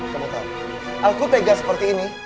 kamu tau aku pegang seperti ini